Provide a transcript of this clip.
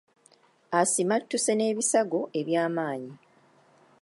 Asimattuse n’ebisago ebyamaanyi.